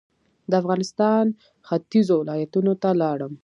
د افغانستان ختيځو ولایتونو ته لاړم.